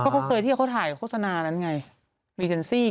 เขาเคยที่เขาถ่ายโฆษณานั้นไงพรีเซนซี่